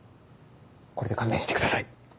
これで勘弁してください。